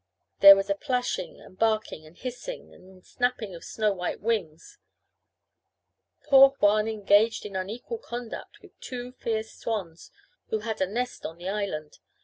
There was a plashing, and barking, and hissing, and napping of snow white wings poor Juan engaged in unequal combat with two fierce swans who had a nest on the island.